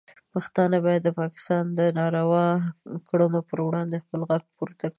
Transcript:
پښتانه باید د پاکستان د ناروا کړنو پر وړاندې خپل غږ پورته کړي.